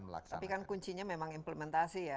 tapi kan kuncinya memang implementasi ya